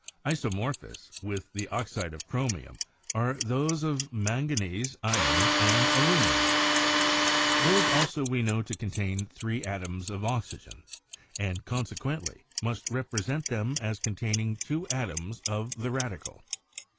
Isomorphous with the oxide of chromium are those of manganese, iron and aluminium ; these also we know to contain three atoms of oxygen, and consequently must rep resent them as containing two atoms of the radicle.